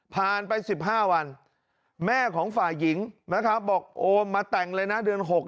ไป๑๕วันแม่ของฝ่ายหญิงนะครับบอกโอมมาแต่งเลยนะเดือน๖